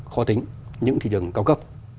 khó tính những thị trường cao cấp